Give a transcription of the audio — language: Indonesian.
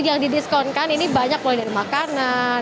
yang didiskonkan ini banyak mulai dari makanan